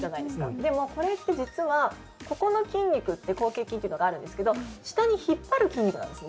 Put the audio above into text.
でもこれって実はここの筋肉って広頚筋というのがあるんですけど下に引っ張る筋肉なんですね